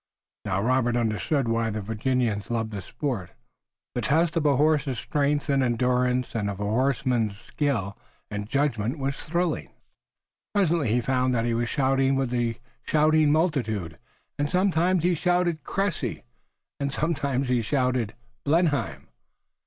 Now, Robert understood why the Virginians loved the sport. The test of a horse's strength and endurance and of a horseman's skill and judgment was thrilling. Presently he found that he was shouting with the shouting multitude, and sometimes he shouted Cressy and sometimes he shouted Blenheim.